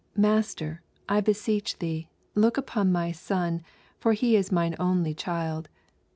Master, I beseech thee, look upon my son ; for he is mine only child.